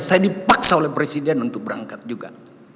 saya dipaksa oleh presiden untuk berangkat juga